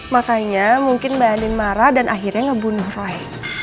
makanya mungkin mbak andin marah dan akhirnya ngebunuh roy